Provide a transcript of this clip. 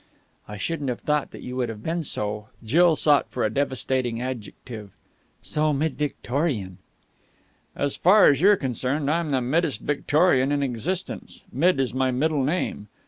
"I shouldn't have thought you would have been so" Jill sought for a devastating adjective "so mid Victorian!" "As far as you are concerned, I'm the middest Victorian in existence. Mid is my middle name."